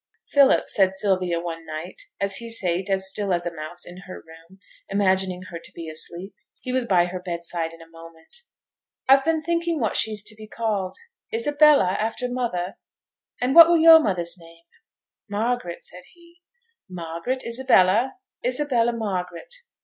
'Philip,' said Sylvia, one night, as he sate as still as a mouse in her room, imagining her to be asleep. He was by her bed side in a moment. 'I've been thinking what she's to be called. Isabella, after mother; and what were yo'r mother's name?' 'Margaret,' said he. 'Margaret Isabella; Isabella Margaret.